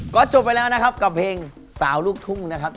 ก็จบไปแล้วนะครับกับเพลงสาวลูกทุ่งนะครับ